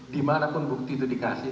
dimanapun bukti itu dikasih